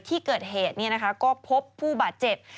ที่เกิดเหตุเนี่ยนะคะก็พบผู้บาดเจ็บ